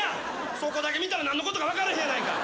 そこだけ見たら、何のことか分かれへんやないか！